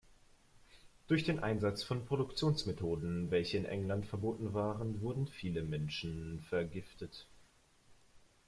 Durch den Einsatz von Produktionsmethoden, welche in England verboten waren, wurden viele Menschen vergiftet.